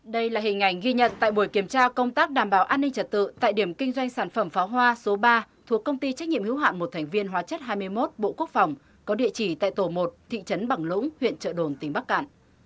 đây là hình ảnh ghi nhận tại buổi kiểm tra công tác đảm bảo an ninh trật tự tại điểm kinh doanh sản phẩm pháo hoa số ba thuộc công ty trách nhiệm hữu hạm một thành viên hóa chất hai mươi một bộ quốc phòng có địa chỉ tại tổ một thị trấn bằng lũng huyện trợ đồn tỉnh bắc cạn